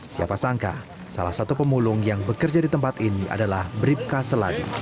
siapa sangka salah satu pemulung yang bekerja di tempat ini adalah bribka seladi